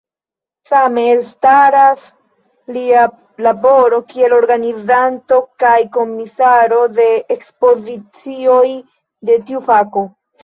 Same, elstaras lia laboro kiel organizanto kaj komisaro de ekspozicioj de tiu fako.